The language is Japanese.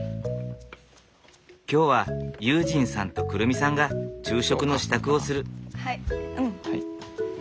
今日は悠仁さんと来未さんが昼食の支度をする。